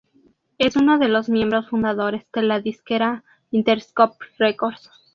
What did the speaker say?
Es uno de los miembros fundadores de la disquera Interscope Records.